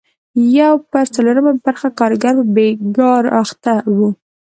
یو پر څلورمه برخه کارګر په بېګار اخته وو.